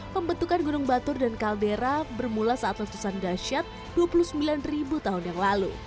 pembentukan gunung batur dan kaldera bermula saat letusan dasyat dua puluh sembilan ribu tahun yang lalu